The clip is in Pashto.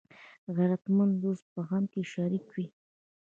غیرتمند د دوست په غم کې شریک وي